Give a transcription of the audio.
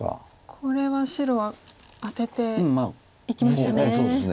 これは白はアテていきましたね。